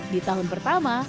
di tahun pertama